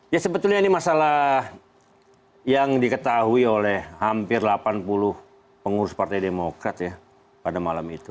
ya sebetulnya ini masalah yang diketahui oleh hampir delapan puluh pengurus partai demokrat ya pada malam itu